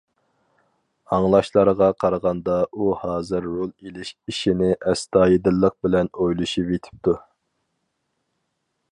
ئاڭلاشلارغا قارىغاندا ئۇ ھازىر رول ئېلىش ئىشىنى« ئەستايىدىللىق بىلەن ئويلىشىۋېتىپتۇ».